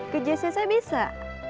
ke jcc bisa